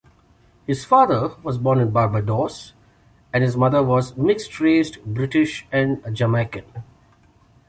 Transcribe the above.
His father was born in Barbados and his mother was mixed-raced British and Jamaican.